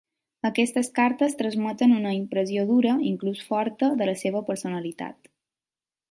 Aquestes cartes transmeten una impressió dura, inclús forta, de la seva personalitat.